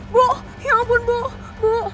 bu ya ampun bu